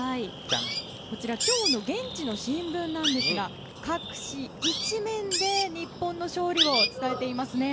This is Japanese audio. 今日の現地の新聞ですが各紙１面で日本の勝利を伝えていますね。